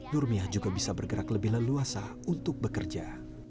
nurmiah juga bisa bergerak lebih leluasa untuk bekerja